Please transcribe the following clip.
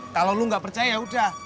kalau lu gak percaya yaudah